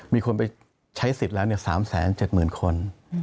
มีคนไปใช้สิทธิ์แล้ว๓๗๐๐คน